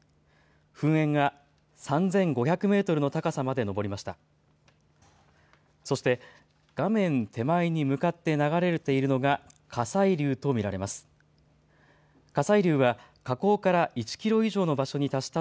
噴煙が３５００メートルの高さまで上りました。